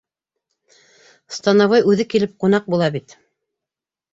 Становой үҙе килеп ҡунаҡ була бит.